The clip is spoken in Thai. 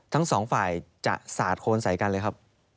ทั้งสองฝ่ายจะสาดโคนใส่กันเลยครับ